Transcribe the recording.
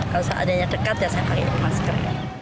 kalau seadanya dekat ya saya pakai masker